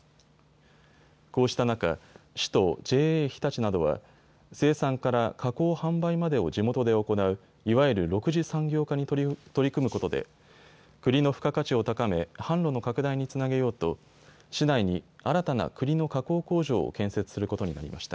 こうした中、市とＪＡ常陸などは生産から加工販売までを地元で行ういわゆる６次産業化に取り組むことでくりの付加価値を高め販路の拡大につなげようと市内に新たなくりの加工工場を建設することになりました。